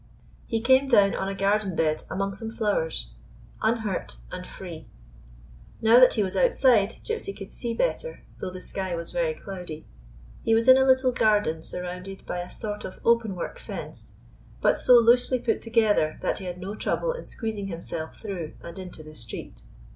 He came down on a garden bed among some flowers, unhurt and free. Now that he was outside, Gypsy could see better, though the sky was very cloudy. He was in a little garden surrounded by a sort of open work fence, but so loosely put together that he had no trouble in squeezing himself through and into the street.